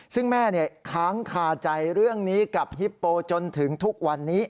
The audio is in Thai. ซึ่งแม่ค้างคาใจเรื่องนี้กับฮิปโปจนถึงทุกวันนี้